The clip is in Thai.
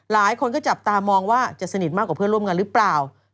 หลายคนก็จับตามองว่าจะสนิทมากกว่าเพื่อนร่วมงานหรือเปล่า